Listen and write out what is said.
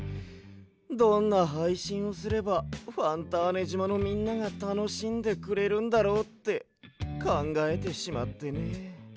どんなはいしんをすればファンターネじまのみんながたのしんでくれるんだろうってかんがえてしまってね。